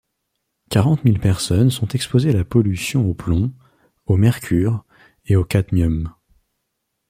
Quarante-mille personnes sont exposées à la pollution au plomb, au mercure et au cadmium.